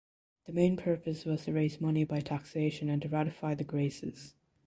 The main purpose was to raise money by taxation and to ratify the Graces.